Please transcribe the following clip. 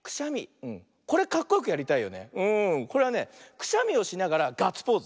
くしゃみをしながらガッツポーズ。